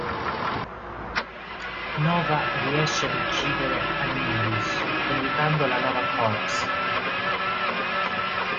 Nova riesce ad uccidere Annihilus, vendicando la Nova Corps.